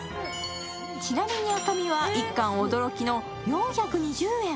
ちなみに、赤身は一貫驚きの４２０円。